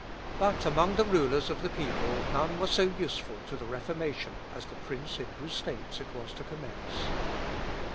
But, among the rulers of the people none were so useful to the Reformation as the prince in whose states it was to commence.